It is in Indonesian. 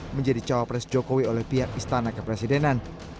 menjadi cawapres jokowi oleh pihak istana kepresidenan